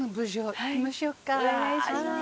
お願いします。